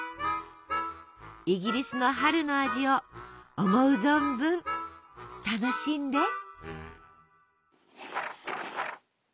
イギリスの春の味を思う存分楽しんで！